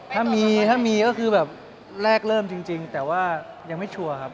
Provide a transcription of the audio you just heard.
ถ้ามีถ้ามีก็คือแบบแรกเริ่มจริงแต่ว่ายังไม่ชัวร์ครับ